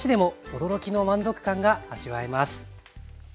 驚きの満足感が味わえます。